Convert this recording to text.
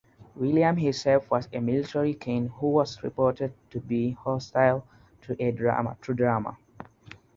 William himself was a military king who was reported to be hostile to drama.